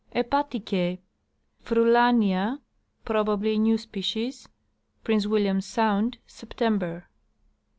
HEPATICiE. Fndlania (probably a new species). Prince William sound, September.